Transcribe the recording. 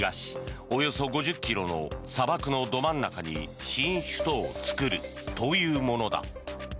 およそ５０ｋｍの砂漠のど真ん中に新首都を作るというものだ。